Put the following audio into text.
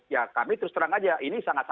ya kami terus terang aja ini sangat